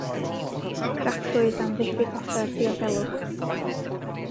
Cracrwydd am ddiffyg offer diogelwch.